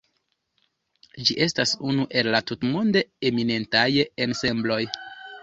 Ĝi estas unu el la tutmonde eminentaj ensembloj.